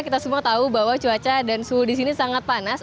kita semua tahu bahwa cuaca dan suhu di sini sangat panas